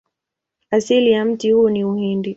Asili ya mti huu ni Uhindi.